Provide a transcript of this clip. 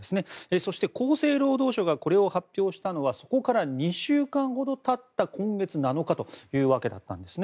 そして、厚生労働省がこれを発表したのはそこから２週間ほどたった今月７日というわけですね。